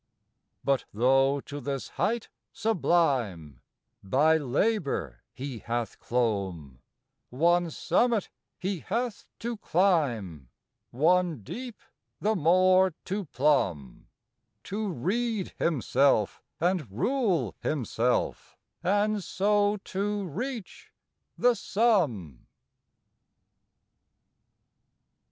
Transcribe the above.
But tho' to this height sublime By labour he hath clomb, One summit he hath to climb, One deep the more to plumb— To rede himself and rule himself, And so to reach the sum.